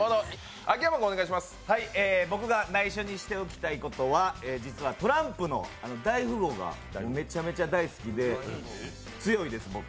僕が内緒にしておきたいことは、実はトランプの「大富豪」がめちゃめちゃ大好きで、強いです、僕。